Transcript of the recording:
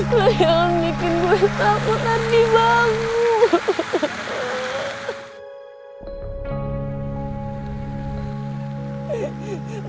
lu yang bikin gue takut ardi bangun